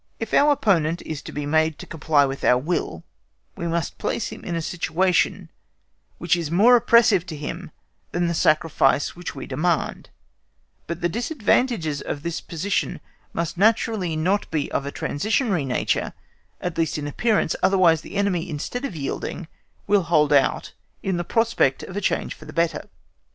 If our opponent is to be made to comply with our will, we must place him in a situation which is more oppressive to him than the sacrifice which we demand; but the disadvantages of this position must naturally not be of a transitory nature, at least in appearance, otherwise the enemy, instead of yielding, will hold out, in the prospect of a change for the better.